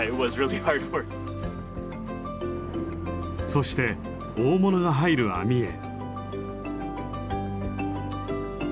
そして大物が入る網へ。